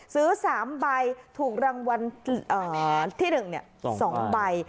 ซื้อสามใบถูกรางวัลเอ่อที่หนึ่งเนี่ยสองใบ